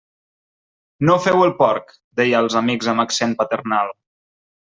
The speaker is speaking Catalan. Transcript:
No feu el porc! –deia als amics amb accent paternal.